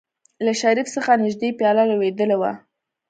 له شريف څخه نژدې پياله لوېدلې وه.